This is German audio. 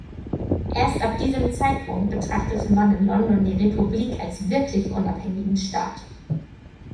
Erst ab diesem Zeitpunkt betrachtete man in London die Republik als wirklich unabhängigen Staat.